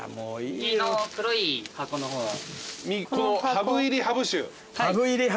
ハブ入りハブ酒。